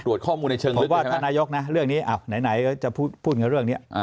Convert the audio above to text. ถูกว่าถ้านายกนะเรื่องนี้ไหนจะพูดกับเรื่องนี้